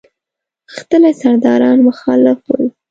غښتلي سرداران مخالف ول.